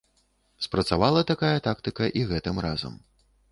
Спрацавала такая тактыка і гэтым разам.